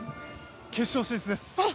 決勝進出です。